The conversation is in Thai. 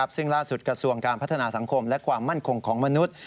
ซึ่งล่าสุดกระทรวงการพัฒนาสังคมและความมั่นคงของมนุษย์